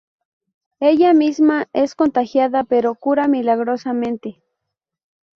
Ella misma es contagiada, pero cura milagrosamente.